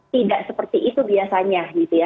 tidak seperti itu biasanya